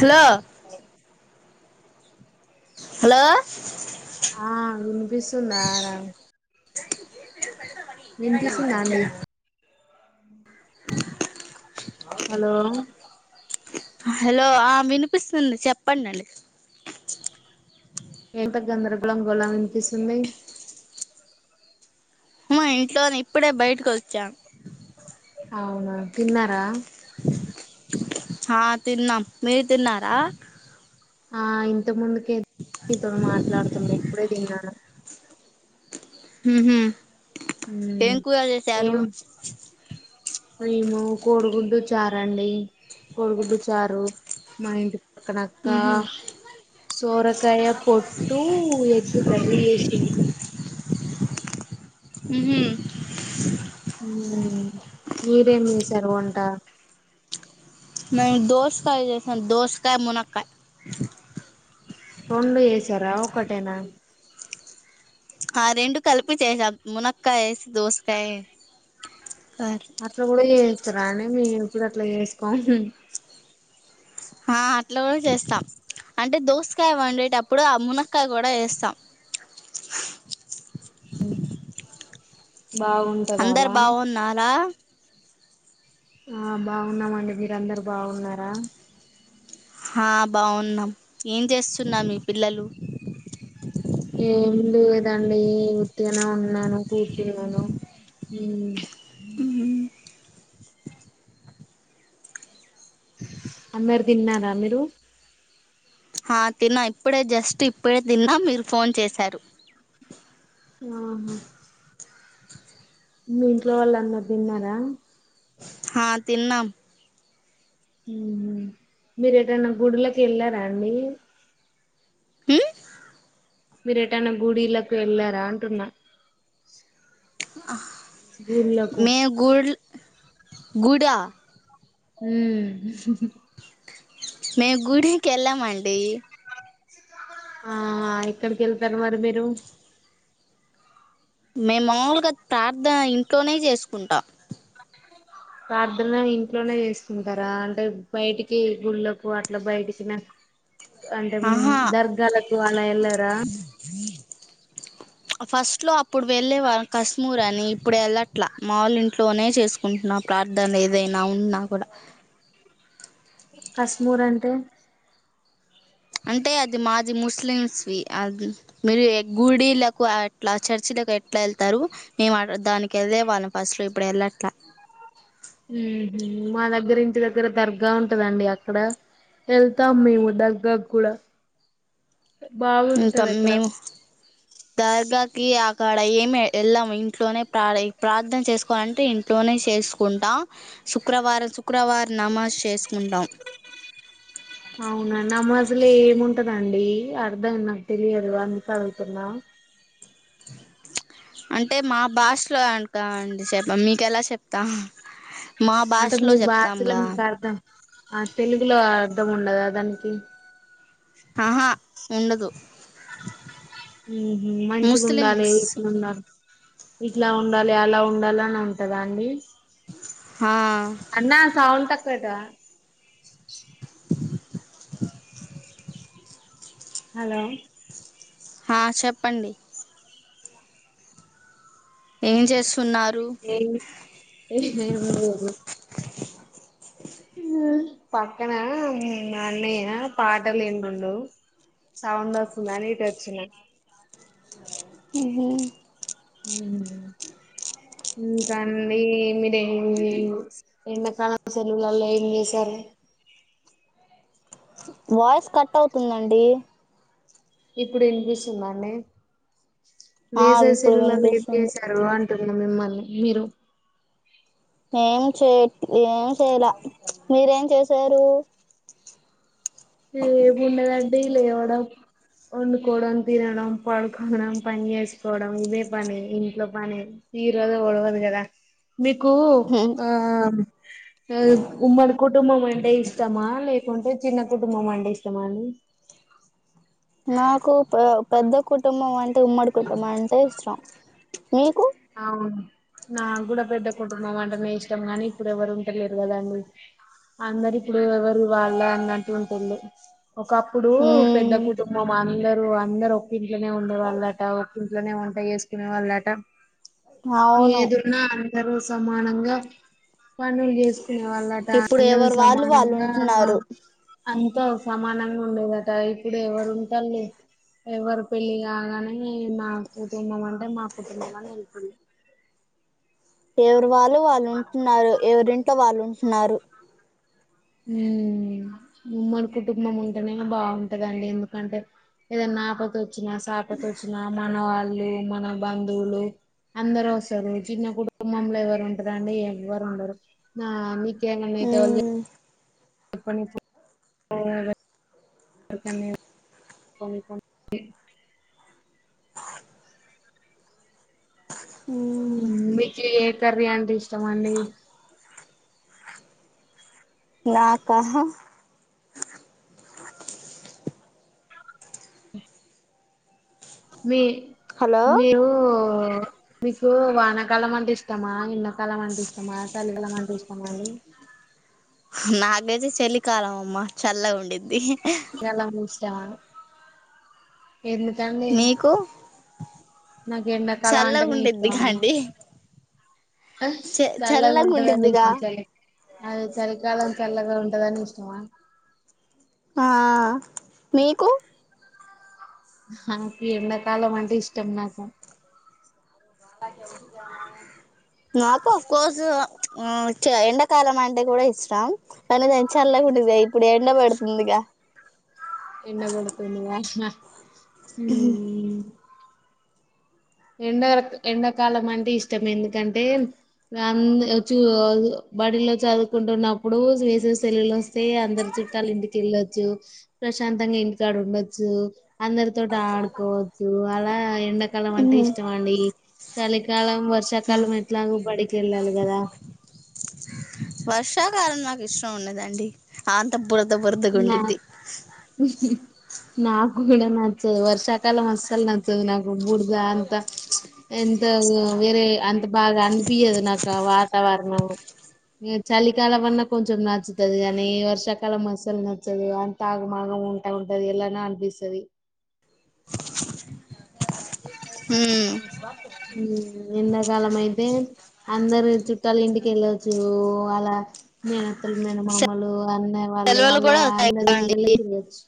Hello hello ఆ వినిపిస్సుందా రా వినిపిస్సుందా అండి హలో హలో ఆ వినిపిస్తుంది చెప్పండి అండి ఎంత గందరగోళం గొళం వినిపిస్తుంది మా ఇంట్లోనే ఇప్పుడే బయటకు వచ్చా అవునా తిన్నారా హా తిన్నాం మీరు తినార ఆ ఇంత ముందుకి ఇతడు మాట్లాడుతుంది ఇప్పుడేతిన్నా హ్మ్ హు మ్మ్ ఏం కూర చేశారు ఏం మేము కోడిగుడ్డు చారండి కోడిగుడ్డు చారు మా ఇంటి పక్క అక్క ఉహు సోరకాయ పొట్టు ఎగ్ కర్రీ చేేసింది హ్మ్ హు హ్మ్ మీరేమి చేసారు వంట మేము దోసకాయ చేసాం దోసకాయ మునక్కాయ రెండు చేసారా ఒకటేనా ఆ రెండు కలిపి చేసాం మునక్కాయ వేసి దోసకాయ అట్లా కూడా ఏ చేస్తారనే మీరు ఇప్పుడు అట్లా చేసుకోవాలి అట్లా కూడా చేస్తాం అంటే దోసకాయ వండేటప్పుడు ఆ మునక్కయ కూడా వేస్తాం హ్మ్ అందరు బాగున్నారా ఆ బాగున్నామండి మీరందరు బాగున్నారా ఆ బాగున్నాం ఏం చేస్తున్నా మీ పిల్లలు ఏమి లేదండి ఉత్తిగనే ఉన్నాను కూర్చునాను హ్మ్ అందరు తిన్నారా మీరు ఆ తిన్నా ఇప్పుడే జస్ట్ ఇప్పుడే తిన్నా మీరు ఫోన్ చేశారు ఆహా మీ ఇంట్లో వాళ్ళు అందర్ తిన్నారా హా తినం హ్మ్ హు మీరు ఏటైనా గుడిలకి వెళ్ళారా అండి హ్మ్ మీరు ఎటైనా గూడిళకి వెళ్ళారా అంటున్నా గుళ్లకు మేము గుడ్ గుడా హ్మ్ మేము గుడికి వెళ్ళమండి ఆ ఎక్కడికి వెళ్తారు మరి మీరు మే మామూలుగా తర్ధన ఇంట్లోనే చేసుకుంటా ప్రార్ధన ఇంట్లోనే చేసుకుంటారా అంటే బయటికి గుళ్ళలకు అట్లా బయటికినే అంటే ఆహా దర్గాలకు అలా వెళ్ళారా ఫస్ట్లో అప్పుడు వెళ్ళేవాళ్ళం కశ్మూర్ అని ఇప్పుడు యెళ్ళట్లా మావొళ్లింట్లోనే చేసుకుంటున్నా ప్రార్థన ఏదైనా ఉన్నా కూడ కాశస్మూర్ అంటే అంటే అది మాది ముస్లిమ్స్వి అద్ మీరు గుడిలకు అట్లా చర్చిలకు ఎట్లా వెళ్తారు మేము దానికి వెళ్లేవాళ్ళం ఫస్ట్లో ఇప్పుడు వెళ్ళట్లా ఊహు మా దగ్గర ఇంటి దగ్గర దర్గా ఉంటదండి అక్కడ వెళ్తాం మేము దర్గా కూడా బాగుంటది యెల్తామ్ అక్కడ మేము దర్గాకి ఆ కాడ ఏమి యెళ్ళం ఇంట్లోనే ప్రర ప్రార్థన చేసుకోవాలంటే ఇంట్లోనే చేసుకుంటా శుక్రవారం శుక్రవారం నమాజ్ చేసుకుంటాం ండి అర్థం నాకు తెలియదు అందుకే అడుగుతున్నా అంటే మా భాషలో అనకండి శెప్ప మీకు ఎలా చెప్తాం అంటే మీ బ్యాచలో మీకు అర్థాం ఆ తెలుగులో అర్ధం ఉండదా దానికి ఆహా ఉండదు ఊ హు మంచిగా ఉండాలి ముస్లిమ్స్ ఇట్లుండాలి ఇట్లా ఉండాలి అలా ఉండాలి అని ఉంటదా అండి. ఆ అన్నా సౌండ్ తక్ కదా హలో హా చెప్పండి ఏం చేసు [unintelligible] ఆ పక్కన మా అన్నయ్య పాటలు ఇంటుండు సౌండ్ వస్తుంద అని ఇటు వచ్చిన ఇవి ఇంకాండి మీరు ఏ ఎండకాలం సెలవులల్లో ఏం జేశారు వాయిస్ కట్ అవుతుందండి ఇప్పుడు ఇనిపిస్తుందాండి ఆ ఇప్పుడు వేసవిసెలవులల్లో ఏమ్ వినిపిస్తుంది జేసారు అంటే న్న మిమ్మల్ని మీరు ఏం చేయట్ ఏం చేయాల మీరేం చేసారు ఏముండదండీ లేవడం వండుకోవడం తినడం పడుకోవడం పని జేసుకోవడం ఇదే పని ఇంట్లో పని తీరద ఉడవదు కదా మీకు ఆ ఉమ్మడి కుటుంబం అంటే ఇష్టమా లే కొంటె చి కుటుంబమంటే ఇష్టమాండి నాకు పె పెద్ద కుటుంబం అంటే త్ ఉమ్మడి కుటుంబమంటే ఇష్టం మీకు అవును నా గూడా పెద్ద కుటుంబం అంటనేే ఇష్టం గాని ఇప్పుడు ఎవరు ఉంటలేరు కదండి అందరు ఇప్పుడు ఎవరు వాళ్ళ అంటూ ఉంటేళ్ళు ఒకప్పుడు పెద్ద మ్మ్ కుటుంబం అందరుూ అందరు ఒ ఇంట్లోనే ఉండే వాళ్ళట ఇంట్లనే ఉంటే యేసుకునే వాళ్ళుట అవును ఏదున్నా సర్వు సమానంగా పనులు చేసుకునే వాళ్ళట ఇప్పుడు అందరూ ఎవరు వాళ్ళు వాళ్ళు సమానంగా ఉంటున్నారు అంత అ సమానంగా ఉండేదట ఇప్పుడే ఎవర ఉంటలు ఎవరు పెళ్లిి కాగానే మా కుటుంబం అంటే మా కుటుంబమ ఎవరు వాళ్ళు వాళ్ళు ఉంటున్నారు ఎవరింట్లో వాళ్ళు ఉంటున్నారు ఉ ఉమ్మడి కుటుంబం ఉంటేనే బాగుంటదండి ఎందుకంటే ఏదైన్నాపత వచ్చిన సాపత వచ్చిన మనవాళ మన బంధువులు అందరు వస్తారు చిన్న కుటుంబంలో ఎవరు ఉంటారు అండి ఎవరు ఉండరు నా నీ మన్నాతేవళ్ళ మ్మ్ భ మ్మ్ మీకు ఏ కర్రీ అంటే ఇష్టం అండి నాకుహ మీ హలో మీరు మీకు వానకాలం అంటే ఇష్టమా ఎండాకాలం అంటే ఇష్టమా చల్లికాలం అంటే ఇష్టమా అండి నాగైతే చలికాలం అమ్మ చల్లగా ఉండిది చలా జా ను ఎందుకండి ఆ నాకు ఎండాకాలం అంటేనే ఇష్టం అండి అ చ చల్లగా ఉంటదని ఉండిద్దిగా ఇష్టం చలి అది చలికాలం చల్లగా ఉంటదని ఇష్ వన్ ఆ నీకు హ నాకు ఎండకాలం అంటే ఇష్టం నాకు నాకు అఫ్కోర్సు ఎండాకాలం అంటే కూడా ఇష్టం కానీ ద చల్లగా ఉండది ఇప్పుడు ఎండ పడుతుందిగా ఎండకొడుతుందిగా ఊ.... ఎండ ఎండాకాలం అంటే ఇష్టం ఎందుకంటే అ చూ బడిలో చదువుకుంటున్నప్పుడు వేసే సల్లు వస్తే అందరి చుట్టాలు ఇంటికి వెళ్ళచ్చు ప్రశాంతంగా ఇంటికాడు ఉండొచ్చు అందరి తోటి ఆడుకోవచ్చు అలా ఎండాకాలం అ ఇష్టవండి చలికాలం వర్షాకాలం ఎట్లాగు బడికేళ్ళలిగాధ కానీ నాకు ఇష్టం ఉండదండి అంత నా బురదబరదగుండిద్ది నాకు కూడా నచ్చదు వర్షాకాలం అసలు నచ్చదు నాకు బూడదా అంత ఎంత వేరే అం బాగా అనిపియదు నాకు ఆ వాతావరణం చలికాలం అన్నా కొంచెం నచ్చుతదిగని వర్షాకాలం మస్ టది నచ్చదు అంత ఆగమాగ ఉంట ఉంటది ఎల్న అనిపిసది ఉ ఎండకాలం అయితే అందరు చుట్టాలింటికి వెళ్ళొచ్చు అలా మేనత్తలు మేనమామలు అన్నయ్య వాళ్ళు సెలవులు అలా కూడా వస్తాయి అందరి కదండి ఇళ్లల్కెల్లాచ్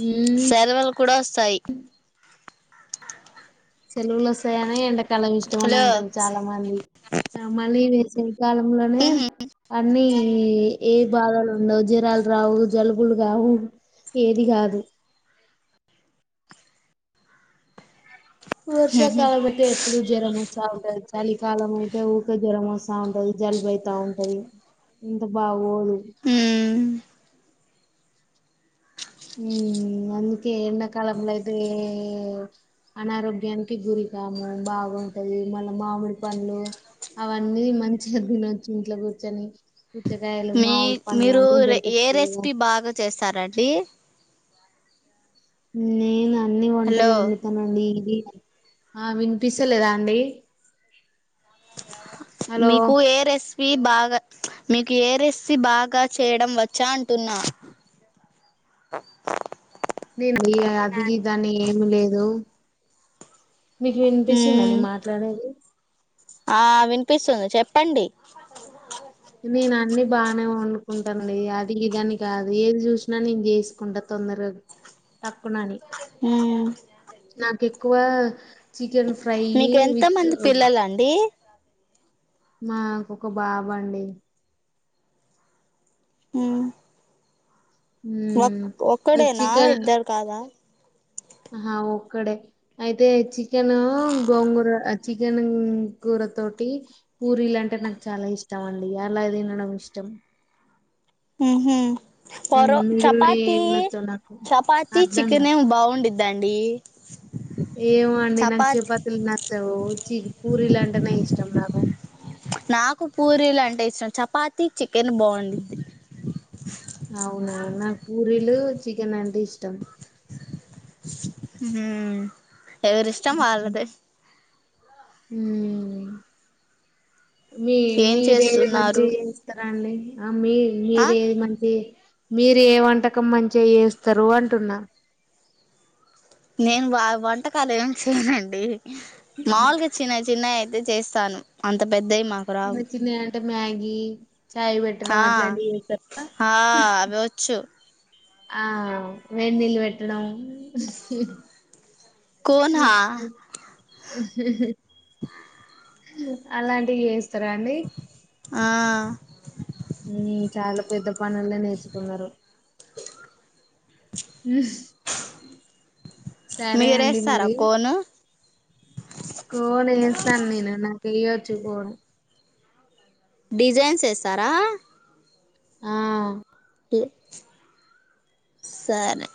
ఊ సెలవులు కూడా వస్తాయి సెలవులోస్తాయని ఎండ కలం ఇష్టంమనే హలో అంటారు చాలా మంది ఆ మళ్ళీ సేయ్ కాలంలోంలోనే అన్ని ఏ ఏ బాధలు ఉండవ్ జరాలు రావ్ జలుబులు కావు ఏది కాదు వర్షాకాలమంటే ఎప్పుడు జ్వరమోస్తా ఉంటది చలికాలం అయితే ఊకె జ్వరం ఒసఉంటది జలుబైతా ఉంటది ఇంత బాగోదు ఉమ్ ఉ అందుకే ఎండాకాలంలో అయితే అనారోగ్యానికి గురికాము బాగుంటది మళ్ళ మామిడి పండ్లు అవన్నీ మంచిగా దినోచ్చు ఇంట్లో కూర్చొని పుచ్చకాయలు మీ మామిడి పండ్లు మీరు అన్నీ ఏ దొరుకుతాయి కదా రెసిపీ బాగా చేస్తారండి నేనా అన్ని వంటలు హలో వండుతనండి ఇది ఆ వినిపిస్తలేదా అండి హలో మీకు ఏ రెసిపీ బాగా ప్చ్ మీకు ఏరేస్సీ బాగా చేయడం వచ్చా అంటున్నా తిన్డి అది దాని ఏమి లేదు మీకు వినిపిస్తుందా మ్మ్ నేన్ మాట్లాడేది ఆ వినిపిస్తుంది చెప్పండి నేను అన్ని బానే వండుకుంటానండి అది ఇదన్ని కాదు ఏది చూసినా నేను చేసుకుంటా తొందరగా ఠక్కునని హుమ్మ్ నాకు ఎక్కువ చికెన్ ఫ్రై మీకు ఎంత విత్ మంది పిల్లలండి మాకొక బాబండి హు ఉమ్ ఓక్ ఒక్కడేనా చికెన్ ఇద్దరు కాదా ఆహా ఒక్కడే అయితే చికెన్ గోంగూర చికెన్ కూర తోటి పూరీలు అంటే నాకు చాలా ఇష్టం అండి అలా తినడం ఇష్టం మ్మ్ హు పరో ఉమ్, మిగిలిన చపాతి ఏవి నచ్చవు నాకు చపాతి అర్థంగా చికెన్ బాగుండిద్ దండి ఏవో అండి నాకు చెపాతిల్ నచ్చవు చిక్ పూరిలంటేనే ఇష్టం నాకు పలు అంటే ఇష్టం చపాతి చికెన్ బాగుండిద్ది అవునా నాకు పూరీలు చికెన్ అంటే ఇష్టం హ్మ్ ఎవరిష్టం వాళ్ళదే హ్మ్ మీ ఏం మీరు ఏమి చేస్తున్నారు మంచిగా చేస్తారండి ఆ మీ ఆ మీర ఏది మంచి మీరు ఏ వంటకం మంచిగా చేస్తారు అంటున్నా నేను బాగా వంటకాలు ఏమి చేయనండి మాల్గా చిన్న చిన్న అ చేస్తాను అంత పెద్ద చిన్న చిన్న అంటే మ్యాగీ చాయ్ పెట్టడం ఆ అట్లాంటివి చేస్తారా ఆ అవి వచ్చు ఆ వెేన్నీల్ వెట్టడం కోన్ హా [unintelligible] అలాంటివి చేస్తారా అండి ఆ చాలా పెద్ద పనుల్లో నేర్చుకున్నారు హ్మ్ సరే అండి మీరేస్తారా మరి కోను కోనేస్తాను నేను నా ఏయచ్చు కోన్ డిజైన్స్ యేస్తారా ఆ సరే